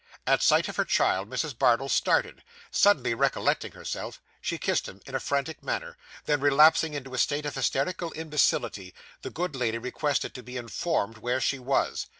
At sight of her child, Mrs. Bardell started; suddenly recollecting herself, she kissed him in a frantic manner; then relapsing into a state of hysterical imbecility, the good lady requested to be informed where she was.